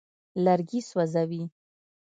لرګي سوځوي.